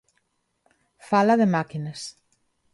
Fala de máquinas.